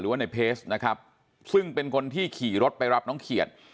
ว่าในเพจนะครับซึ่งเป็นคนที่ขี่รถไปรับน้องเขียด